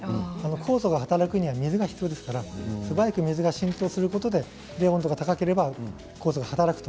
酵素が働くには水が必要なので素早く水が浸透して温度が高ければ酵素が働く。